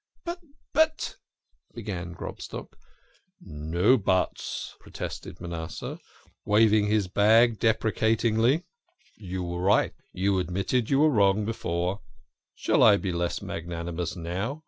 " But but !" began Grobstock. "No no'buts, "' protested Manasseh, waving his bag deprecatingly. " You were right. You admitted you were wrong before ; shall I be less magnanimous now